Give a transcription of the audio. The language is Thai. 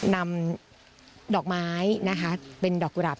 นำดอกไม้นะคะเป็นดอกกุหลาบ